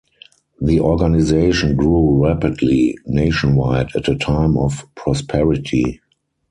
The organization grew rapidly nationwide at a time of prosperity.